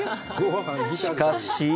しかし。